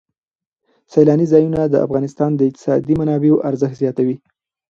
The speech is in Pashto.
سیلانی ځایونه د افغانستان د اقتصادي منابعو ارزښت زیاتوي.